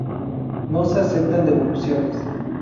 No Se Aceptan Devoluciones.